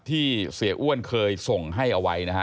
ที่เสียอ้วนเคยส่งให้เอาไว้นะฮะ